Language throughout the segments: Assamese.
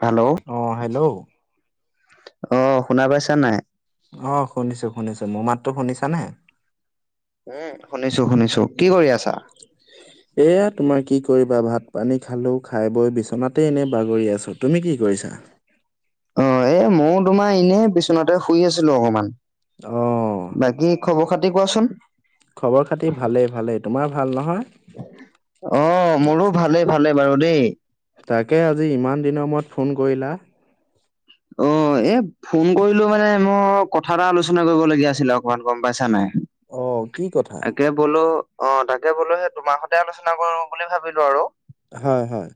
হেল্লো অ হেল্ল' অঁ শুনা পাইছা নাই? অঁ, শুনিছো শুনিছো। মোৰ মাতটো শুনিছানে? উম, শুনিছো শুনিছো কি কৰি আছা? এয়া তোমাৰ কি কৰিবা, ভাত পানী খালোঁ খাই বৈ বিচনাতেই এনেই বাগৰি আছোঁ। তুমি কি কৰিছা? অঁ, এ মও তোমাৰ ইনেই বিচনাতে শুই আছিলো অকমান। অ বাকী খবৰ খাতি কোৱাচোন? খবৰ খাতি ভালেই ভালেই। তোমাৰ ভাল নহয়? অঁ মোৰো ভালে ভালে বাৰু দেই। তাকে আজি ইমান দিনৰ মূৰত ফোন কৰিলা। অঁ। এ ফোন কৰিলো মানে মোৰ কথা এটা আলোচনা কৰিবলগীয়া আছিলে অকমান, গম পাইছা নাই? অঁ, কি কথা? তাকে বলো অঁ তাকে বলো সেই তোমাৰ সঁতে আলোচনা কৰো বুলি ভাবিলো আৰু হয় হয়।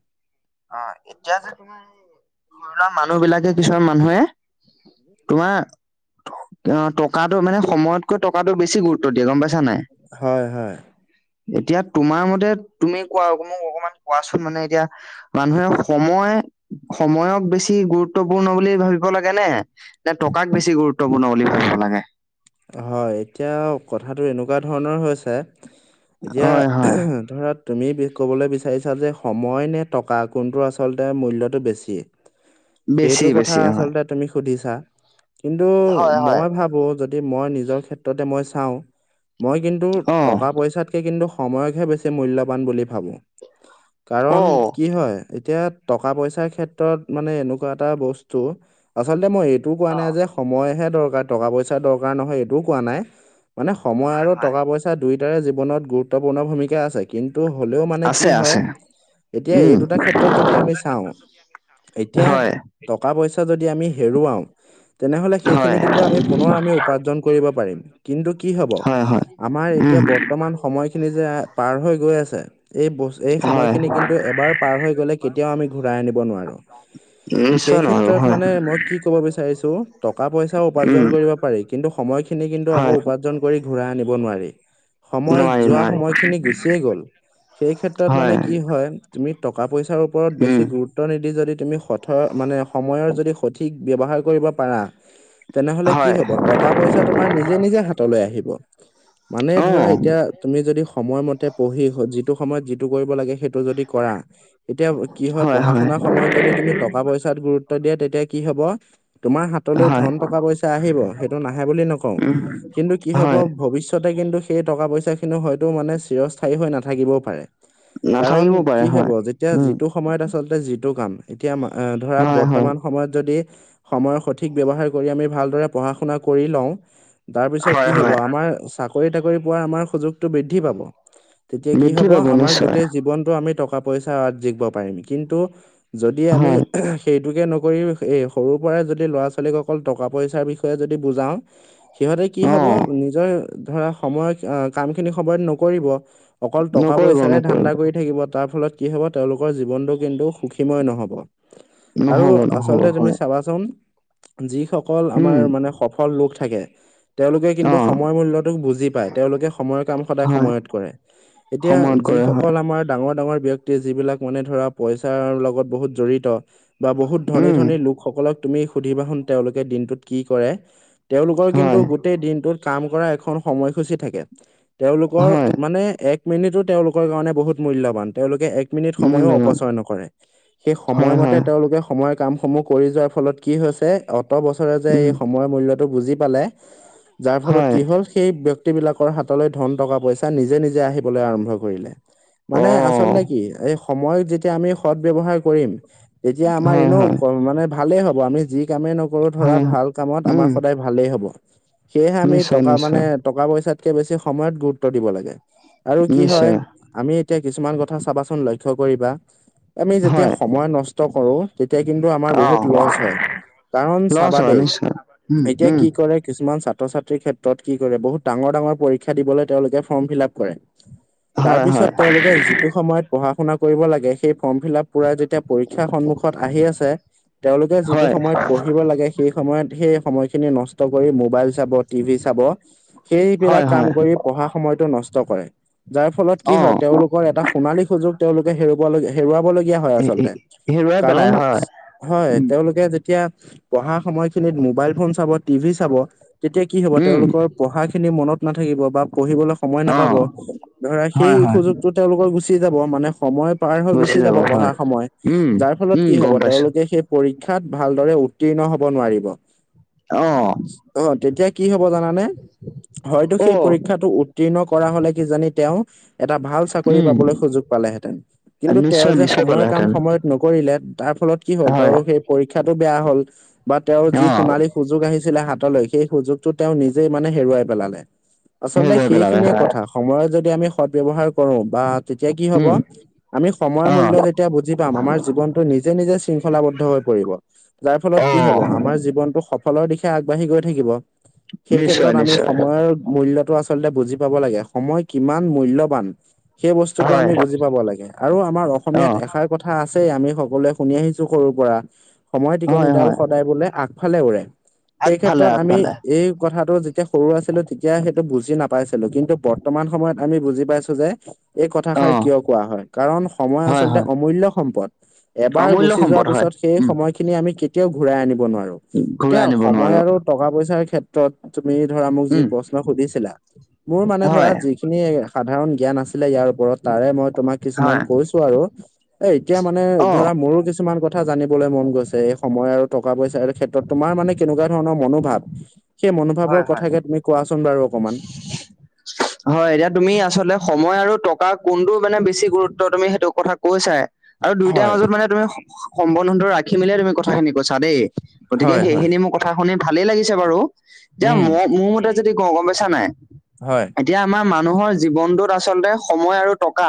অঁ এতিয়া যে তুমি, ধৰি লোৱা মানুহ বিলাকে কিছুমান মানুহে তোমাৰ এ টকাটো মানে সময়তকৈ টকাটো বেছি গুৰুত্ব ত্ব দিয়ে গম পাইছা নাই? হয় হয় এতিয়া তোমাৰ মতে, তুমি কোৱা আৰু মোক অকমান কোৱাচোন মানে এতিয়া মানুহে সময় সময়ক বেছি গুৰু ত্বপূৰ্ণ বুলি ভাবিব লাগে নে, নে টকাক বেছি গুৰুত্বপূৰ্ণ বুলি ভাবিব লাগে? হয়। এতিয়া কথাটো এনেকুৱা ধৰণৰ হৈছে এতিয়া হয় হয় [unintelligible] ধৰা ত তুমি বি ক'বলৈ বিচাৰিছা যে সময় নে টকা, কোনটোৰ আচলতে মূল্যটো বেছি। বেছি সেইটো কথা বেছি হয় আচলতে তুমি সুধিছা, কিন্তু হয় হয় মই ভাবো যদ যদি মই নিজৰ ক্ষেত্ৰতে মই চাওঁ মই কিন্তুু অ টকা পইচাতকৈ কিন্তুু সময়কহে বেছি মূল্যবান বুলি ভাবো। অ কাৰণ কি হয় এতিয়া টকা পইচাৰ ক্ষেত্ৰত মানে এনেকুৱা এটা বস্তু আচলতে মই এ এইটো কোৱা অ নাই যে, সময়হে দৰকাৰ টকা পইচা দৰকাৰ নহয় এইটোও কোৱা নাই। মানে সময় হয় আৰু হয় টকা পইচা, দুয়োটাৰে জীৱনত গুৰুত্বপূৰ্ণ ভূমিকা আছে। কিন্তু হ'লেও মানে কি আছে হয়, আছে এতিয়া এই উম দুটা ক্ষেত্ৰত যদি আমি চাওঁ এতিয়া হয় টকা পইচা যদি আমি হেৰুৱাওঁ, তেনেহ'লে সেইখিনি হয় কিন্তু আমি পুনৰ আমি উপাৰ্জন কৰিব পাৰিম। কিন্তু কি হ'ব হয় হয় আমাৰ উম এতিয়া বৰ্তমান সময়খিনি যে পাৰ হৈ গৈ আছে, এই বস এই হয় সময়খিনি কিন্তু এবাৰ পাৰ হৈ গ'লে কেতিয়াও আমি ঘূৰাই আনিব নোৱাৰো। এ সেই নিশ্চয় নোৱাৰো ক্ষেত্ৰত হয় মানে মই কি ক'ব বিচাৰিছো, টকা পইচাও উপাৰ্জন উম কৰিব পাৰি, কিন্তু সময়খিনি কিন্তু আকৌ হয় উপাৰ্জন কৰি ঘূৰাই আনিব নোৱাৰি। সময় নোৱাৰি যোৱা নোৱাৰি সময়খিনি গুচিয়ে গ'ল। সেই ক্ষেত্ৰত হয় মানে কি হয়, তুমি টকা পইচাৰ ওপৰত উম বেছি গুৰু গুৰুত্ব নিদি যদি তুমি সঠৰ মানে সময়ৰ যদি সঠিক ব্যৱহাৰ কৰিব পাৰা তেনেহ কি হয় হ'ব টকা পইচা তোমাৰ নিজে নিজে হাতলে আহিব। মানে অ ধৰা এতিয়া তুমি যদি সময় মতে পঢ়ি, যিটো সময়ত যিটো কৰিব লাগে সেইটো যদি কৰা, তেতিয়া কি হয় পঢ়া শুনাৰ সময়ত যদি তুমি টকা পইচাত গুৰু ত এতিয়া তেতিয়া কি হ'ব তোমাৰ হাতলৈ হয় ধন টকা পইচা আহিব সেইটো নাহে বুলি নকও উম কিন্তু কি হ'ব হয় ভৱিষ্যতে কিন্তু সেই টকা পইচাখিনি হয়তো মানে চিৰস্থায়ী হৈ নাথাকিবও পাৰে কাৰণ নাথাকিব পাৰে কি হব হয় যেতিয়া উম যিটো সময়ত আচলতে যিটো কাম এতিয়া আ ধৰা হয় হয় বৰ্তমান সময়ত যদি সময় সঠিক ব্যৱহাৰ কৰি আমি ভালদৰে পঢ়া-শুনা কৰি লও তাৰ পিছত হয় কি হব হয় আমাৰ চাকৰি তাকৰি পোৱাৰ আমাৰ সুযোগটো বৃদ্ধি পাব তেতিয়া কি বৃদ্ধি হব পাব আমাৰ নিশ্চয় গোটেই জীৱনতো আমি টকা পইচাত জিকিব পাৰিম কিন্তু যদি আমি হয় সেইটোকে নকৰি এই সৰুৰ পৰাই যদি ল'ৰা ছোৱালীক অকল ট কা পইচাৰ বিষয়ে যদি বুজাও সিহঁতে কি অ হব নিজৰ ধৰা সময়ত অ কামখিনি সময়ত নকৰিব অকল টকা নকৰিব পইচাৰে ধান্দা নকৰিব কৰি থাকিব তাৰ ফলত কি হব তেওঁলোকৰ জীৱনতো কিন্তু সুখীময় নহব আৰু নহব নহব আচলতে তুমি হয় চাবা চোন যিসকল আমাৰ উম মানে সফল লোক থাকে তেওঁলোকে অ কিন্তু সময়ৰ মূল্যটোক বুজি পায় তেওঁলোকে সময়ৰ কাম সদায় হয় সময়ত কৰে এতিয়া সময়ত কৰে হয় যিসকল আমাৰ ডাঙৰ ডাঙৰ ব্য ক্তি যিবিলাক মানে ধৰা পইচাৰ লগত বহুত জড়িত বা বহুত ধনী উম ধনী লোক সকলক তুমি সুধিবা সোন তেওঁলোকে দিনটোত কি কৰে তেওঁলোকৰ কিন্তু হয় গো টেই দিনটোত কাম কৰা এখন সময়সূচী থাকে তেওঁলোকৰ হয় মানে এক মিনিটো তেওঁলোকৰ কাৰণে বহুত মূল্যবান তেওঁলোকে এক মিনিট সময়ো মূল্যবান অপচয় নকৰে সেই হয় সময়মতে হয় তেওঁলোকে সময়ৰ কাম সমূহ কৰি যোৱাৰ ফলত কি হৈছে অত বছৰে যে উম এই সময়ত মূল্যটো বুজি পালে যাৰ ফলত হয় কি হল সেই ব্য সেই বিলাকৰ হাতলৈ ধন টকা পইচা নিজে নিজে আহিবলৈ আৰম্ভ কৰিলে অ মানে আচলতে কি এই সময়ক যেতিয়া আমি সৎ ব্যৱহাৰ কৰিম এতিয়া আমাৰ হয় এনেও হয় মানে ভালেই হ'ব আমি যি কামেই নকৰো ধৰা হয় ভাল কামত আমাৰ উম সদায় ভালেই হব সেয়েহে আমি নিশ্চয় টকা মানে নিশ্চয় টকা পইচাতকে বেছি সময়ত গুৰুত্ব দিব লাগে আৰু কি হয় নিশ্চয় আমি এতিয়া কিছুমান কথা চাবাচোন লক্ষ্য কৰিবা আমি যেতিয়া হয় সময় নষ্ট কৰো তেতিয়া কিন্তু আমাৰ অ বহুত লচ হয় কাৰণ লছ চাবা হয় দেই নিশ্চয় উম এতিয়া উম কি ক কৰে কিছুমান ছাত্ৰ ছাত্ৰীৰ ক্ষেত্ৰত কি কৰে বহুত ডাঙৰ ডাঙৰ পৰীক্ষা দিবলৈ তেওঁলোকে ফৰ্ম ফিল আপ কৰে [unintelligible] তাৰ পিছত হয় তেওঁলোকে যিটো সময়ত পঢ়া শুনা কৰিব লাগে সেই ফৰ্ম ফিল আপ পুৰা যেতিয়া পৰীক্ষা সন্মুখত আহি আছে তেওঁলোকে যিটো হয় সময়ত কৰিব লাগে সেই সময়ত সেই সময়খিন নষ্ট কৰি মোবাইল চাব টিভি চাব সেইবিলাক হয় কাম হয় কৰি পঢ়া সময়তো নষ্ট কৰে যাৰ ফলত কি অ হয় তেওঁলোকৰ এটা সোণালী সুযোগ তেওঁলোকে হেৰু ৱাবলগীয়া হয় এ এ আচলতে হেৰুৱাই কাৰণ পেলাই হয় হয় উম তেওঁলোকে যেতিয়া পঢ়া সময়খিনিত মোবাইল ফোন চাব টিভি চাব তেতিয়া কি হ'ব উম তেওঁলোকৰ পঢ়াখিনি মনত নাথাকিব বা পঢ়িবলৈ সময় অ নাপাব ধৰা সেই হয় হয় সুযোগটোত তেওঁলোকৰ গুচি যাব মানে সময় পাৰ হৈ গুচি যাব পঢ়াৰ সময় উম যাৰ ফলত উম কি হব গম পাইছো তেওঁলোকে সেই পৰীক্ষাত ভালদৰে উত্তীৰ্ণ হব নোৱাৰিব অ অ তেতিয়া কি হ'ব জানানে হয়তো অ সেই পৰীক্ষাতো উ উত্তীৰ্ণ কৰা হলে কিজানি তেওঁ এটা ভাল চাকৰি উম পাবলৈ সুযোগ পালেহেঁতেন কিন্তু তেওঁ নিশ্চয় যে নিশ্চয় সময়ৰ কাম পালেহেঁতেন সময়ত নকৰিলে তাৰ ফলত কি হ'ল হয় তেওঁৰ সেই পৰীক্ষাটো বেয়া হ'ল বা তেওঁৰ যি অ সোণালী সুযোগ আহিছিলে হাতলৈ সেই সুযোগটো তেওঁ নিজেই মানে হেৰুৱাই পেলালে আচলতে হেৰুৱাই পেলালে সেইখিনিয়ে হয় কথা সময়ত যদি আমি সৎ ব্যৱহাৰ কৰো বা তেতিয়া কি হব উম আমি সময় অ মূল্য তিয়া বুজি পাম আমাৰ জীৱনটো নিজে নিজে শৃংখলাবদ্ধ হৈ পৰিব যাৰ ফলত অ কি হব আমাৰ জীৱনটো সফলৰ দিশে আগবাঢ়ি গৈ থাকিব সেই নিশ্চয় ক্ষেত্ৰত আমি নিশ্চয় সময়ৰ মূল্যতো আচ আচলতে বুজি পাব লাগে সময় কিমান মূল্যবান সেই বস্তুটো হয় আমি বুজি পাব লাগে আৰু আমাৰ অ অসমীয়াত এষাৰ কথা কথা আছে আমি সকলোৱে শুনি আহিছো সৰুৰ পৰা সময় হয় টিকনিডাল হয় সদায় বোলে আগফালে উৰে সেই আগফালে ক্ষেত্ৰত আমি আগফালে এই কথাটো যেতিয়া সৰু আছিলো তি তেতিয়া সেইটো বুজি নাপাইছিলো কিন্তু বৰ্তমান সময়ত আমি বুজি পাইছো যে এই অ কথাষাৰ কিয় কোৱা হয় কাৰণ সময় হয় আচলতে হয় অমূল্য সম্পদ এবাৰ অমূল্য গুচি যোৱাৰ সম্পদ হয় পিছত সেই উম সময়খিনি আমি কেতিয়াও ঘুৰাই আনিব নোৱাৰো ঘূৰাই এতিয়া আনিব সময় নোৱাৰো আৰু টকা পইচাৰ ক্ষেত্ৰত তুমি ধৰা মোক যি উম প্ৰশ্ন সুধিছিলা মোৰ মানে ধৰা হয় যি খিনি সাধাৰণ জ্ঞান আছিলে ইয়াৰ ওপৰত তাৰে মই তোমাক কিছুমান হয় কৈছো আৰু এ এতিয়া মানে অ ধৰা মোৰো কিছুমান কথা জানিবলৈ মন গৈছে এ সময় আৰু টকা পইচা ক্ষেত্ৰত তোমাৰ মানে কেনেকুৱা ধৰণৰ মনোভাৱ সেই হয় মনোভাৱৰ হয় কথাকে তুমি কোৱাচোন বাৰু অকণমান হয় এতিয়া তুমি আচলতে সময় আৰু টকা কোনটো মানে বেছি গুৰুত্ব তুমি সেইটো কথা কৈছাই আৰু দুইটাৰ হয় মাজত মানে তুমি সম্বন্ধটো ৰাখি মেলি তুমি কথাখিনি কৈছা দেই গতিকে হয় হয় সেইখিনি মোৰ কথা শুনি ভালেই লাগিছে বাৰু যে উম মই মোৰ মতে যদি কওঁ গম পাইছা নাই হয় এতিয়া আমাৰ মানুহৰ জীৱনটোত আচলতে সময় আৰু টকা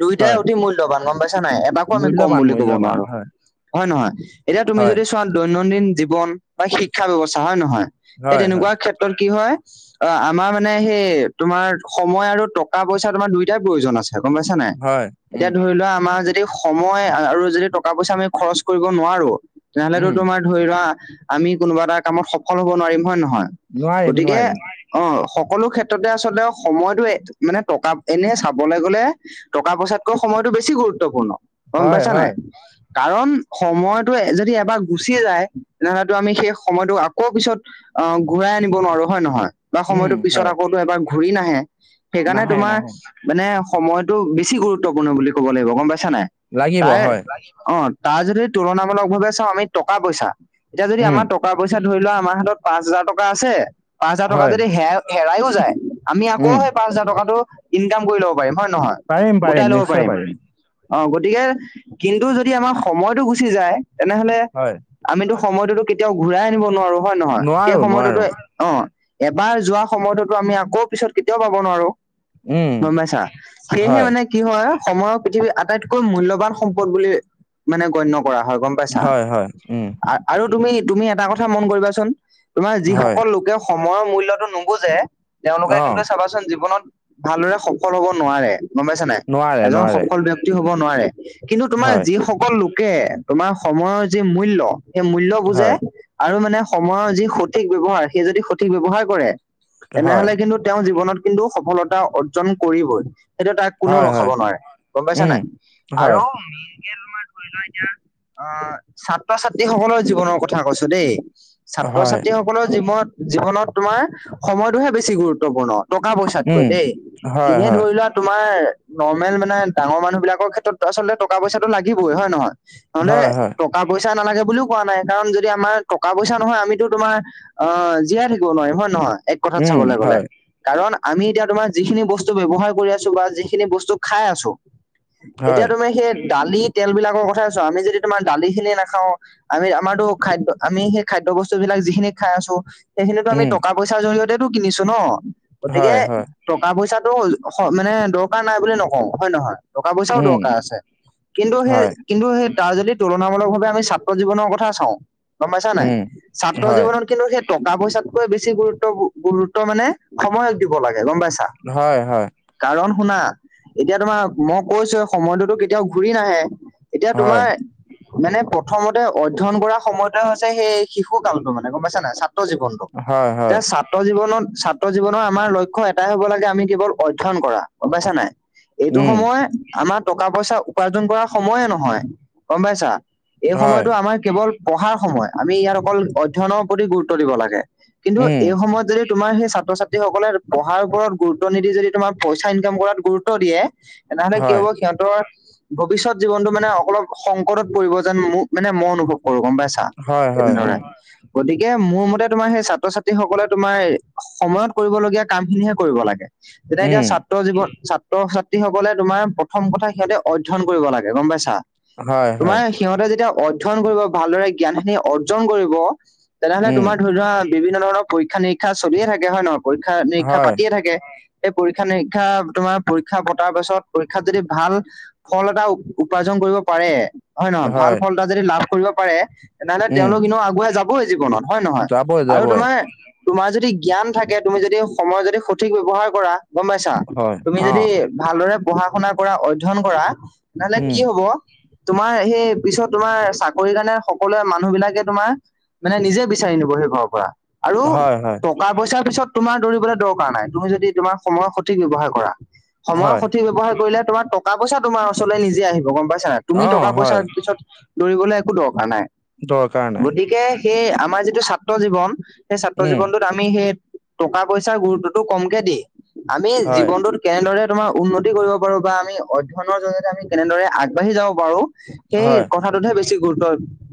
দুয়োটাই হয় অতি মূল্যবান গম পাইছা নাই এবাকো আমি কম মূল্যৱান বুলি ক'ব মূল্যৱান নোৱাৰো হয় হয় নহয় এতিয়া তুমি হয় যদি চোৱা দৈনন্দিন জীৱন বা শিক্ষা ব্যৱস্থা হয় নহয় সেই হয় হয় তেনেকুৱা ক্ষেত্ৰত কি হয় অ আমাৰ মানে সেই তোমাৰ সময় আৰু টকা পইচা তোমাৰ দুয়টাই প্ৰয়োজন আছে গম পাইছা নাই হয় এতিয়া উম ধৰি লোৱা আমাৰ দি সময় আৰু যদি টকা পইচা আমি খৰচ কৰিব নোৱাৰো তেনেহলেতো উম তোমাৰ ধৰি লোৱা আমি কোনোবা এটা কামত সফল হব নোৱাৰিম হয় নহয় নোৱাৰিম গতিকে নোৱাৰিম অ সকলো ক্ষেত্ৰতে আচলতে সময়টো মানে টকা এনে চাবলে গলে টকা পইচাকৈ সময়টো বেছি গুৰুত্বপূৰ্ণ গম হয় পাইছা নাই? হয় কাৰণ সময়টো যদি এবাৰ গুচি যায় তেনেহলেতো আমি সেই সময়টোক আকৌ পিছত অ ঘূৰাই আনিব নোৱাৰো হয় নহয় বা উম সময়টো পিছত হয় আকৌ এবাৰ ঘূৰি নাহে সেইকাৰণে নাহে তোমাৰ নাহে মানে সময়টো বেছি গুৰুত্বপূৰ্ণ বুলি ক'ব লাগিব গম পাইছা নাই লাগিব তাইৰ হয় অ তাৰ যদি তুলনামূলক ভাৱে চাও আমি টকা পইচা এতিয়া যদি উম আমাৰ ট টকা পইচা ধৰি লোৱা আমাৰ হাতত পাঁচ হাজাৰ টকা আছে পাঁচ হাজাৰ টকা হয় যদি হে হেৰাইও যায় আমি আকৌ উম সেই পাঁচ হাজাৰ টকাটো ইনকাম কৰি ল'ব পাৰিম হয় নে নহয় গোটাই ল'ব পাৰিম অ গতিকে কিন্তু যদি আমাৰ সময়টো গুচি যায় তেনেহলে হয় আমিতো সময়টোতো কেতিয়াও ঘূৰাই আনিব নোৱাৰো হয় নহয় সেই নোৱাৰো সময়টোতো নোৱাৰো অ এবাৰ যোৱা সময়তোতো আমি আকৌ পিছত কেতিয়াও পাব নোৱাৰো উম গম পাইছা সেইহে হয় মানে কি হয় সময়ক পৃথিৱী আটাইতকৈ মূল্যৱান সম্পদ বুলি মানে গণ্য কৰা হয় গম পাইছা হয় হয় উম আৰু তুমি তুমি এটা কথা মন কৰিবাচোন তোমাৰ হয় যিসকল লোকে সময়ৰ মূল্যতো নুবুজে অ তেওঁলোকে কিন্তু চাবাচোন জীৱনত ভালদৰে সফল হব নোৱাৰে গম পাইছা নাই নোৱাৰে এজন নোৱাৰে সফল ব্যক্তি হব নোৱাৰে কিন্তু তোমাৰ হয় যিসকল লোকে তোমাৰ সময়ৰ যি মূল্য সেই মূল্য বুজে হয় আৰু মানে সময়ৰ যি সঠিক ব্যৱহাৰ সেই যদি সঠিক ব্যৱহাৰ কৰে হয় তেনেহলে কিন্তু তেওঁ জীৱনত কিন্তু সফলতা অৰ্জন কৰিবই সেইটো তাক কোনেও হয় ৰখাব হয় নোৱাৰে গম পাইছা নে উম হয় আৰু তোমাৰ ধৰি লোৱা এতিয়া অ ছাত্ৰ ছাত্ৰী সকলৰ জীৱনৰ ক- কথা কৈছো দেই ছাত্ৰ হয় ছাত্ৰীসকলৰ জীৱনত জীৱনত তোমাৰ সময়টোহে বেছি গুৰুত্ব গুত্বপূৰ্ণ টকা পইচাতকৈ উম দেই হয় এনে হয় ধৰি লোৱাক তোমাৰ নৰ্মেল মানে ডাঙৰ মানুহ বিলাকৰ ক্ষেত্ৰত আচলতে টকা পইচাটো লাগিবই হয় নহয় তহলে হয় হয় টকা পইচা নালাগে বুলিও কোৱা নাই কাৰণ যদি আমাৰ টকা পইচা নহয় আমিতো তোমাৰ অ জীয়াই থাকিব নোৱাৰিম হয় নহয় এক কথাত উম চাবলৈ গলে হয় কাৰণ আমি এতিয়া তোমাৰ যিখিনি বস্তু ব্যৱহাৰ কৰি আছো বা যিখিনি বস্তু খাই আছো এতিয়া হয় তুমি সেই দালি তেল বিলাকৰ কথাই চোৱা আমি যদি তোমাৰ দালি খিনি নাখাওঁ আমি আমাৰটো খাদ্য আমি সেই খাদ্য বস্তু বিলাক যিখিনি খাই আছো সেইখিনিতো আম উম টকা পইচাৰ জৰিয়তেটো কিনিছো ন গতিকে হয় হয় টকা পইচাটো মানে দৰকাৰ নাই বুলি নকওঁ হয়ে নহয় টকা পইচাও উম দৰকাৰ আছে কিন্তু সেই হয় কিন্তু সেই তাৰ যদি তুলনামূলক ভাৱে আমি ছাত্ৰ জীৱনৰ কথা চাওঁ গম পাইছা নাই উম ছাত্ৰ হয় জীৱনত কিন্তু সেই টকা পইচাতকৈ বেছি গুৰুত্ব গুৰুত্ব মানে সময়ক দিব লাগে গম পাইছা হয় হয় কাৰণ শুনা এতিয়া তোমাৰ মই কৈছো সময়টোতো কেতিয়াও ঘূৰি নাহে এতিয়া হয় তোমাৰ মানে প্ৰথমতে অধ্যয়ন কৰা সময়ত হৈছে সেই শিশু কালতো মানে গম পাইছা নে ছাত্ৰ জীৱন হয় হয় এতিয়া ছাত্ৰ জীৱনত ছাত্ৰ জীৱনৰ আমাৰ লক্ষ্য এটাই হ'ব লাগে আমি কেৱল অধ্যয়ন কৰা গম পাইছা নাই এইটো উম সময় আমাক টকা পইচা উপাৰ্জন কৰ সময়ে নহয় গম পাইছা এই হয় সময়তটো আমাৰ কেৱল ট পঢ়াৰ সময় আমি ইয়াত অকল অধ্যয়নৰ প্ৰতি গুৰুত্ব দিব লাগে কিন্তু উম এই সময়ত যদি তোমাৰ সেই ছাত্ৰ ছাত্ৰী সকলে পঢ়াৰ ওপৰত গুৰুত্ব নিদি যদি তোমাৰ পইচা ইনকাম কৰাত গুৰুত্ব দিয়ে তেনেহলে কি হয় হব সিহত ভৱিষ্যত জীৱনতটো মানে অলপ সংকটত পৰিব যেন মোক মানে মই অনুভৱ কৰো গম পাইছো। হয় হয় তেনেদৰে উম গতিকে মোৰ মতে তোমাৰ সেই ছাত্ৰ ছাত্ৰী সকলে তোমাৰ সময়ত কৰিবলগীয়া কাম খিনিহে কৰিব লাগে যেতিয়া এতিয়া উম ছা- ছাত্ৰ জীৱন ছাত্ৰ ছাত্ৰীসকলে তোমাৰ প্ৰথম কথা সিহঁতে অধ্যয়ন কৰিব লাগে গম পাইছা হয় হয় তোমাৰ সিহঁতে যেতিয়া অধ্যয়ন কৰিব ভালদৰে জ্ঞানখিনি অৰ্জন কৰিব তেনেহলে উম তোমাৰ ধৰি ধৰা বিভিন্ন ধৰণৰ পৰীক্ষা নিৰিক্ষা চলিয়ে থাকে হয় ন পৰীক্ষা হয় নিৰীক্ষায় থাকে এই পৰীক্ষা নিৰীক্ষা তোমাৰ পৰীক্ষা পতাৰ পাছত পৰীক্ষাত যদি ভাল ফল এটা উপাৰ্জন কৰিব পাৰে। হয় নহয় ভাল ফল এটা যদি লাভ কৰিব পাৰে তেনেহলে উম তেওঁলোক ইনেও আগুৱাই যাবই জীৱনত হয় নহয় যাবই আৰু যাবই তোমাৰ তোমাৰ যদি জ্ঞান থাকে তুমি যদি সময় যদি সঠিক ব্যৱহাৰ কৰা গম পাইছা হয় তুমি অ যদি ভালদৰে পঢ়া শুনা কৰা অধ্যয়ন কৰা নহলে উম কি হব, তোমাৰ সেই পিছত তোমাৰ চাকৰি কাৰণে সকলোৱে মানুহ বিলাকে তোমাৰ মানে নিজে বিচাৰি নিব সেই ঘৰৰ পৰা আৰু হয় হয় টকা পইচাৰ পিছত তোমাৰ দৌৰিবলৈ দৰকাৰ নাই, তুমি যদি তোমাৰ সময়ৰ সঠিক ব্যৱহাৰ কৰা। সময়ৰ হয় সঠিক ব্যৱহাৰ কৰিলে তোমাৰ টকা পইচা তোমাৰ ওচৰলৈ নিজে আহিব গম পাইছ নাই। তুমি অ', টকা পইচাৰ হয়, পিছত দৌৰিবলৈ একো দৰকাৰ নাই দৰকাৰ নাই। গতিকে সেই আমাৰ যিটো ছাত্ৰ জীৱন সেই ছাত্ৰ উম, জীৱনটোত আমি সেই টকা পইচাৰ গুৰুত্বটো কমকে দি আমি হয়, জীৱনটোত কেনেদৰে তোমাৰ উন্নতি কৰিব পাৰো বা আমি অধ্যয়নৰ জৰিয়তে আমি কেনেদৰে আগবাঢ়ি যাব পাৰো। সেই হয়, কথাটোতহে বেছি গুৰুত্ব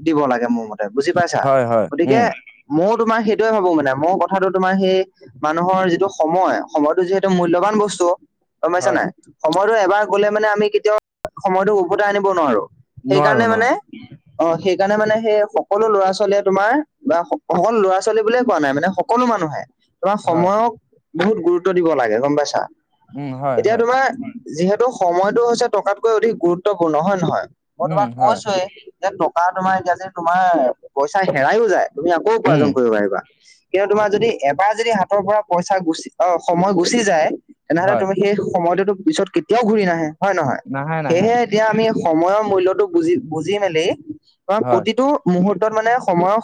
দিব লাগে মোৰ মতে বুজি পাইছা হয়, হয়, গতিকে উম, ময়ো তোমাৰ সেইটোয়ে ভাবো মানে মোক কথাটো তোমাৰ সেই মানুহৰ যিটো সময় সময়টো যিহেতু মূল্যবান বস্তু গম পাইছা হয়, নাই সময়টো এবাৰ গলে মানে আমি কেতিয়াও সময়টো উভতাই আনিব নোৱাৰোঁ। নোৱাৰো, সেইকাৰণে মানে নোৱাৰো, অ সেইকাৰণে মানে সেই সকলো ল'ৰা ছোৱালীয়ে তোমাৰ বা সকলো ল'ৰা ছোৱালী বুলিয়ে কোৱা নাই মানে সকলো মানুহে তোমাৰ হয়, সময়ক বহুত গুৰুত্ব দিব লাগে গম পাইছা। উম, হয়, এতিয়া হয়, তোমাৰ যিহেতু সময়তটো হৈছে টকাতকৈ অধিক গুৰুত্বপূৰ্ণ হয় নহয়। মই উম, তোমাক হয়, কৈছোঁৱেই, 'যে টকা তোমাৰ এতিয়া যে তোমাৰ পইচা হেৰাইও যায় তুমি আকৌ উম, উপাৰ্জন কৰিব পাৰিবা। কিন্তু তোমাৰ যদি এবাৰ যদি হাতৰ পৰা পইচা গুচি আহ সময় গুচি যায়। তেনেহলে হয়, তুমি সেই সময়টোতো পিছত কেতিয়াও ঘূৰি নাহে হয় নহয় নাহে, নাহে, সেয়েহে এতিয়া আমি সময়ৰ মূল্যতটো বুজি বুজি মেলি অ হয়। প্ৰতিটো মুহুৰ্তত মানে সময়ৰ